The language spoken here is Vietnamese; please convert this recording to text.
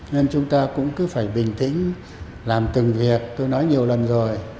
nên chúng ta cũng cứ phải bình tĩnh làm từng việc tôi nói nhiều lần rồi